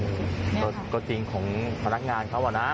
คุณลุงไม่รู้ถึงอะไรเลยโอ้นี่ค่ะก็จริงของพนักงานเขาเหรอนะ